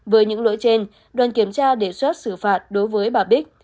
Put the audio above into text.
với những lỗi trên đoàn kiểm tra đề xuất xử phạt đối với bà bích